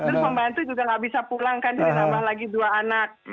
terus pembantu juga gak bisa pulang kan jadi nambah lagi dua anak